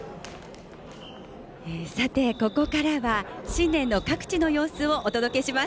さて、ここからは新年の各地の様子をお届けします。